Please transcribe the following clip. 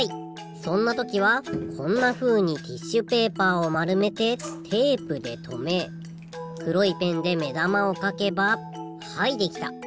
そんなときはこんなふうにティッシュペーパーをまるめてテープでとめくろいペンでめだまをかけばはいできた！